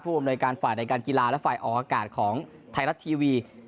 อำนวยการฝ่ายในการกีฬาและฝ่ายออกอากาศของไทยรัฐทีวี